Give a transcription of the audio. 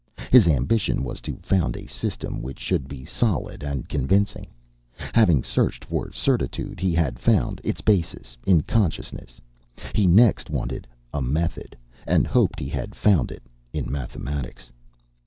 His ambition was to found a system which should be solid and convincing. Having searched for certitude, he had found its basis in consciousness; he next wanted a method, and hoped he had found it in mathematics.